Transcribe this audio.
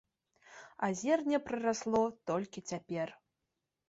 А зерне прарасло толькі цяпер.